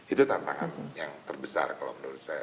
itu tantangan yang terbesar kalau menurut saya